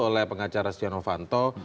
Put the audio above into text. oleh pengacara sjano vanto